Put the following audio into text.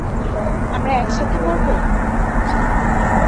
আমরা একসাথে মরবো?